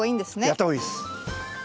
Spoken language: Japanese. やった方がいいです。